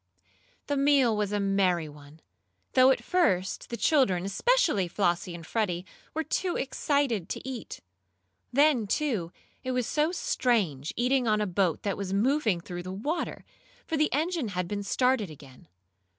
The meal was a merry one, though at first the children, especially Flossie and Freddie, were too excited to eat. Then, too, it was so strange eating on a boat that was moving through the water, for the engine had been started again.